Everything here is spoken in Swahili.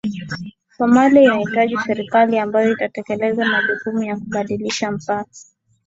somalia inahitaji serikali ambayo itatekeleza majukumu ya kubadilisha mpaka